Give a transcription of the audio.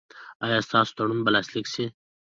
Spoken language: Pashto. ایا ستاسو تړون به لاسلیک شي؟